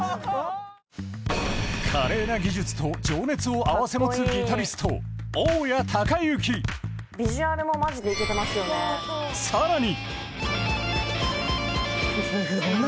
華麗な技術と情熱を併せ持つギタリストさらに